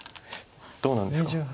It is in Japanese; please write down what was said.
どうなんですか？